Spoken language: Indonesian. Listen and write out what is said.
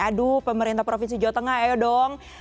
aduh pemerintah provinsi jawa tengah ayo dong